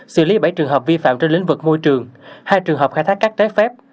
xử lý bảy trường hợp vi phạm trên lĩnh vực môi trường hai trường hợp khai thác cát trái phép